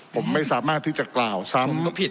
ผมไม่สามารถที่จะกล่าวซ้ำก็ผิด